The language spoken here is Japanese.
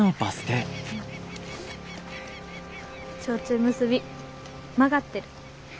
ちょうちょ結び曲がってる。